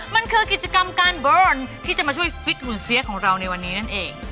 มันคือกิจกรรมการบอลที่จะมาช่วยฟิตหุ่นเสียของเราในวันนี้นั่นเอง